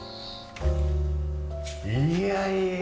いやいや。